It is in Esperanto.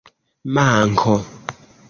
manko